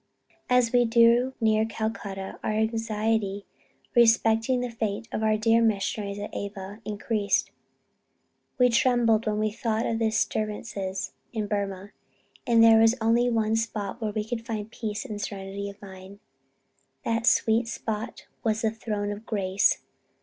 As we drew near Calcutta, our anxiety respecting the fate of our dear missionaries at Ava, increased. We trembled when we thought of the disturbances in Burmah, and there was only one spot where we could find peace and serenity of mind. That sweet spot was the throne of grace.